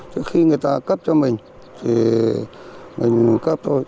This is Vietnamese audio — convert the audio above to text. trước khi người ta cấp cho mình thì mình cấp thôi